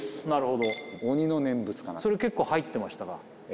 なるほど「鬼の念仏」かなそれ結構入ってましたか？